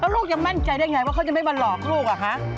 ลูกยังมั่นใจได้ไงว่าเขาจะไม่มาหลอกลูกอะคะ